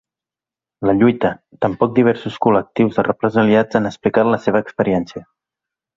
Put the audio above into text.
La lluita, tampoc diversos col·lectius de represaliats han explicat la seva experiència.